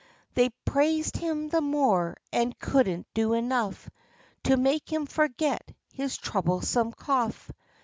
They praised him the more, and couldn't do enough, To make him forget his troublesome cough.